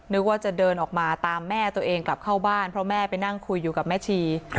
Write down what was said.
นึกว่าจะเดินออกมาตามแม่ตัวเองกลับเข้าบ้านเพราะแม่ไปนั่งคุยอยู่กับแม่ชี